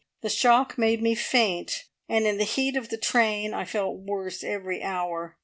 The shock made me faint, and in the heat of the train I felt worse every hour.